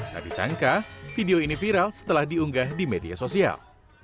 tapi sangka video ini viral setelah diunggah di media sosial